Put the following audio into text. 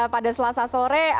pada selasa sore